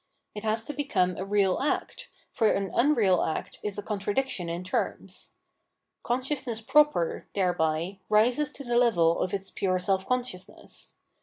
It has to become a real act, for an unreal act is a contradiction in terms. Consciousness proper, thereby, rises to the level of its pure self consciousness.